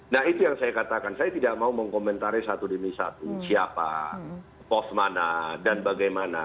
nah itu yang saya katakan saya tidak mau mengkomentari satu demi satu siapa pos mana dan bagaimana